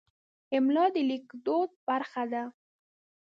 املا د لیکدود برخه ده.